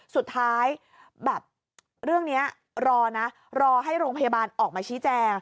สุดท้ายแบบเรื่องนี้รอนะรอให้โรงพยาบาลออกมาชี้แจง